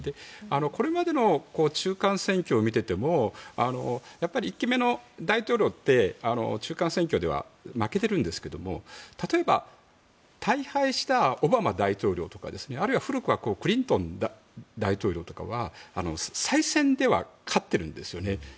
これまでの中間選挙を見ていても１期目の大統領って中間選挙では負けてるんですけど例えば大敗したオバマ大統領とかあるいは古くはクリントン大統領とか再選では勝ってるんですよね。